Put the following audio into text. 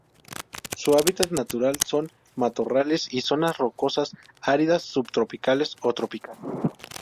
Su hábitat natural son: matorrales y zonas rocosas áridas subtropicales o tropicales.